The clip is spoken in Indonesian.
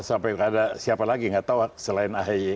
sampai ada siapa lagi nggak tahu selain ahy